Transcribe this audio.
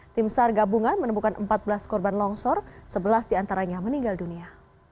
tim sar gabungan menemukan empat belas korban longsor sebelas diantaranya meninggal dunia